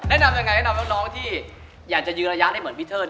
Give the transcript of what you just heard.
นำยังไงแนะนำน้องที่อยากจะยืนระยะได้เหมือนพี่เทิด